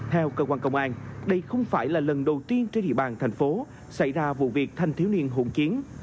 theo cơ quan công an đây không phải là lần đầu tiên trên địa bàn thành phố xảy ra vụ việc thanh thiếu niên hỗn chiến